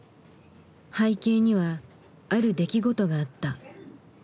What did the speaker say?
背景にはある出来事があった。